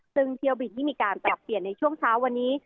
ซึ่งเที่ยวบินที่มีการปรับเปลี่ยนในช่วงเช้าวันนี้